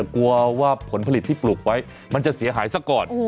กลัวว่าผลผลิตที่ปลูกไว้มันจะเสียหายซะก่อน